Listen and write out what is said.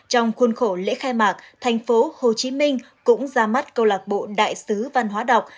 trong khuôn khổ lễ khai mạc thành phố hồ chí minh cũng ra mắt câu lạc bộ đại sứ văn hóa đọc